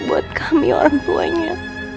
buat kami orang tuanya